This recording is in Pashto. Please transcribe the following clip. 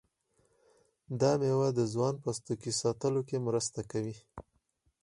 دا میوه د ځوان پوستکي ساتلو کې مرسته کوي.